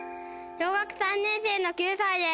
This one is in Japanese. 小学３年生の９歳です。